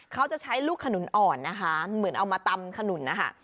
เขาจะใช้ลูกขนุนอ่อนนะคะเหมือนเอามาตำขนุนนะคะ